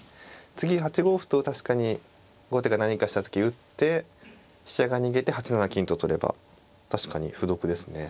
次８五歩と確かに後手が何かした時打って飛車が逃げて８七金と取れば確かに歩得ですね。